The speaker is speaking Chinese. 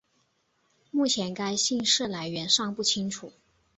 目前该姓氏来源尚不清楚。